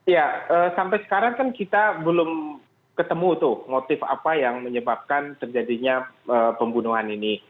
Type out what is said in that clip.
ya sampai sekarang kan kita belum ketemu tuh motif apa yang menyebabkan terjadinya pembunuhan ini